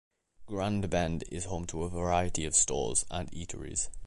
Grand Bend is home to a variety of stores and eateries.